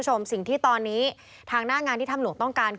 เช่นนี้ทางหน้างานที่ธำลูกต้องการ